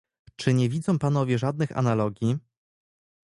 Czy nie widzą Panowie żadnych analogii?